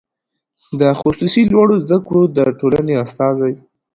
د خصوصي لوړو زده کړو د ټولنې استازی